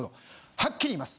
はっきり言います。